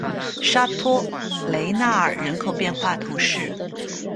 沙托雷纳尔人口变化图示